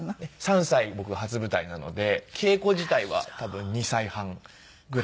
３歳僕初舞台なので稽古自体は多分２歳半ぐらいから祖父に。